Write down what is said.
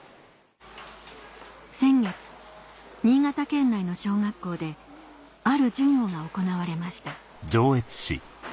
先月新潟県内の小学校である授業が行われました